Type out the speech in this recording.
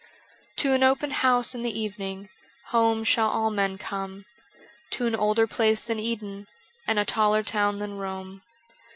To an open house in the evening Home shall all men come, To an older place than Eden ♦ And a taller town than Rome.